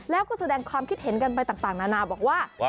แล้วก็แสดงความคิดเห็นกันไปต่างนานาบอกว่า